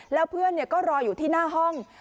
แล้วเพื่อนก็รออยู่ที่หน้าห้อง